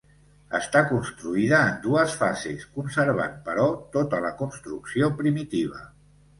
Està construïda en dues fases, conservant però, tota la construcció primitiva.